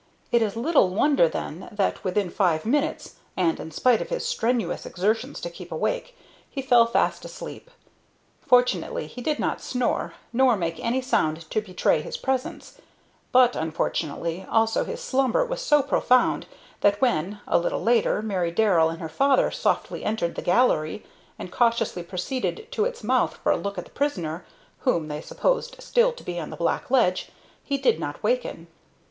It is little wonder then that, within five minutes, and in spite of his strenuous exertions to keep awake, he fell fast asleep. Fortunately he did not snore, nor make any sound to betray his presence, but unfortunately, also, his slumber was so profound that when, a little later, Mary Darrell and her father softly entered the gallery and cautiously proceeded to its mouth for a look at the prisoner, whom they supposed still to be on the black ledge, he did not waken.